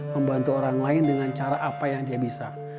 membantu orang lain dengan cara apa yang dia bisa